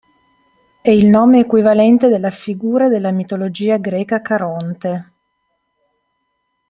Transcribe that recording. È il nome equivalente della figura della mitologia greca Caronte.